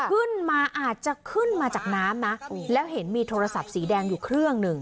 ขึ้นมาอาจจะขึ้นมาจากน้ำนะแล้วเห็นมีโทรศัพท์สีแดงอยู่เครื่องหนึ่ง